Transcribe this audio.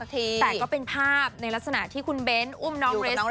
แต่ก็เป็นภาพในลักษณะที่คุณเบ้นอุ้มน้องเรส